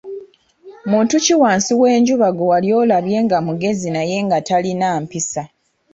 Muntu ki wansi w'enjuba gwe wali olabye nga mugezi naye nga talina mpisa?